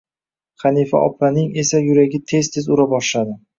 Hanifa opaning esa yuragi tez-tez ura boshladi